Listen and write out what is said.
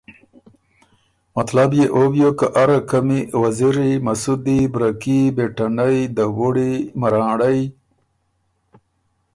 مطلب يې او بیوک که اره قمی وزیری، مسُودی، برکي، بېټنئ، دوُړی، منرانړئ